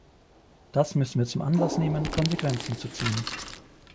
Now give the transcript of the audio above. Das müssen wir zum Anlass nehmen, Konsequenzen zu ziehen.